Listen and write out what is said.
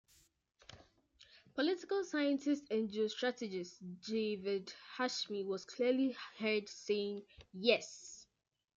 Political scientist and geostrategist Javed Hashmi was clearly heard saying: Yes!